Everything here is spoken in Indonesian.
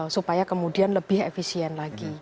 supaya kemudian lebih efisien lagi